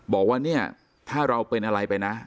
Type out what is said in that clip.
บอกว่าเนี่ยถ้าเราเป็นอะไรไปนะ